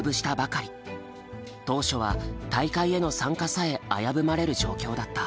当初は大会への参加さえ危ぶまれる状況だった。